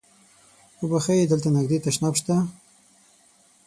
اوبښئ! دلته نږدې تشناب شته؟